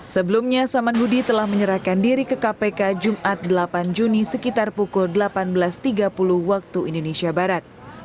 sebelumnya saman budi telah menyerahkan diri ke kpk jumat delapan juni sekitar pukul delapan belas tiga puluh waktu indonesia barat